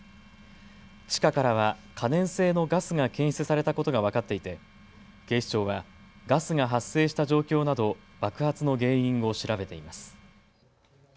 地下からは可燃性のガスが検出されたことが分かっていて警視庁はガスが発生した状況など爆発の原因を調べています。